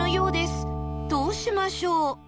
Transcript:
どうしましょう？